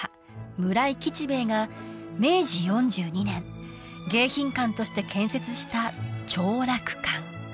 村井吉兵衛が明治４２年迎賓館として建設した長楽館